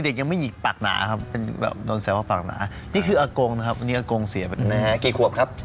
ดูจากปากในปากเนี่ยใช่ครับผมปากหนาตั้งแต่เด็กครับ